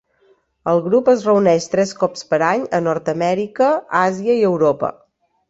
El grup es reuneix tres cops per any a Nord-amèrica, Àsia i Europa.